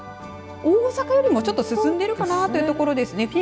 大阪よりもちょっと進んでいるかなというところですね。